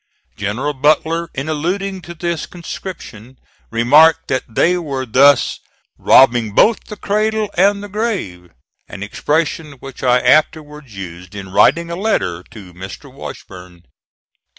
General Butler, in alluding to this conscription, remarked that they were thus "robbing both the cradle and the grave," an expression which I afterwards used in writing a letter to Mr. Washburn.